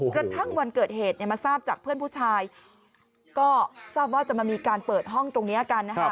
กระทั่งวันเกิดเหตุมาทราบจากเพื่อนผู้ชายก็ทราบว่าจะมามีการเปิดห้องตรงนี้กันนะคะ